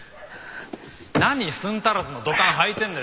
何寸足らずのドカンはいてんだよ